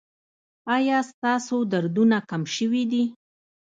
ایا ستاسو دردونه کم شوي دي؟